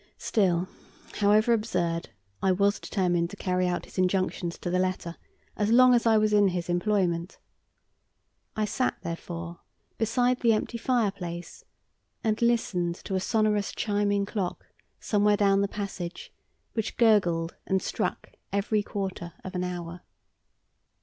Still, however absurd, I was determined to carry out his injunctions to the letter as long as I was in his employment. I sat, therefore, beside the empty fireplace, and listened to a sonorous chiming clock somewhere down the passage which gurgled and struck every quarter of an hour.